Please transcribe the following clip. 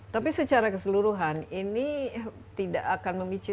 tapi secara keseluruhan ini tidak akan memicu